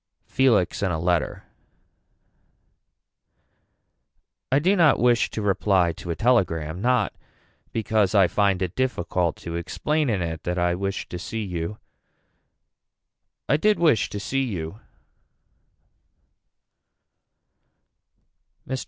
Felix and a letter. I do not wish to reply to a telegram, not because I find it difficult to explain in it that I wished to see you. I did wish to see you.